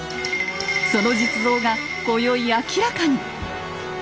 その実像が今宵明らかに！